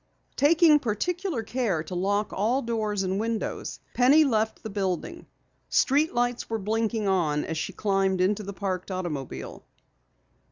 Taking particular care to lock all doors and windows, Penny left the building. Street lights were blinking on as she climbed into the parked automobile.